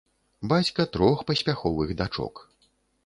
Бацька трох паспяховых дачок.